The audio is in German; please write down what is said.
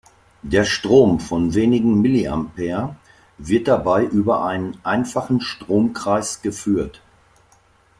Der Strom von wenigen Milliampere wird dabei über einen einfachen Stromkreis geführt.